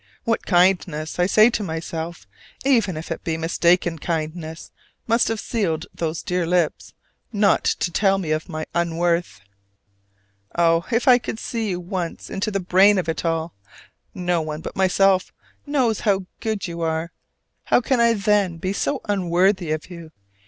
What kindness, I say to myself, even if it be mistaken kindness, must have sealed those dear lips not to tell me of my unworth! Oh, if I could see once into the brain of it all! No one but myself knows how good you are: how can I, then, be so unworthy of you?